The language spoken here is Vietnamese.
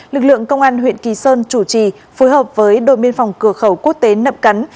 lực lượng công an huyện kỳ sơn chủ trì phối hợp với đồn biên phòng cửa khẩu quốc tế nậm cắn